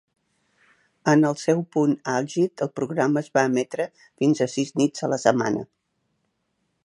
En el seu punt àlgid, el programa es va emetre fins a sis nits a la setmana.